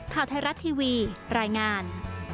ข่าวไทยรัฐทีวีรายงาน